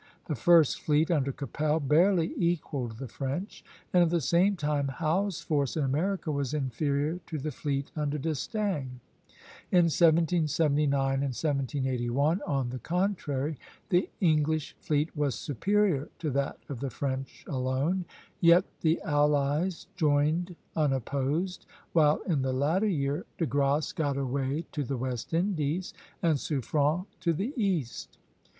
The first fleet, under Keppel, barely equalled the French; and at the same time Howe's force in America was inferior to the fleet under D'Estaing. In 1779 and 1781, on the contrary, the English fleet was superior to that of the French alone; yet the allies joined unopposed, while in the latter year De Grasse got away to the West Indies, and Suffren to the East.